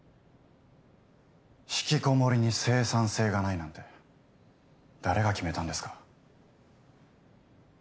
引きこもりに生産性がないなんて誰が決めたんですか。